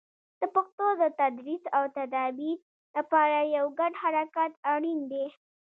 د پښتو د تدریس او تدابیر لپاره یو ګډ حرکت اړین دی.